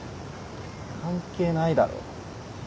関係ないだろ。